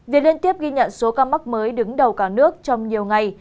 việc liên tiếp ghi nhận số ca mắc mới đứng đầu cả nước trong nhiều ngày